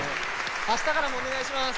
明日からもお願いします！